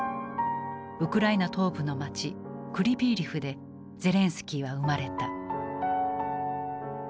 ウクライナ東部の街クリビーリフでゼレンスキーは生まれた。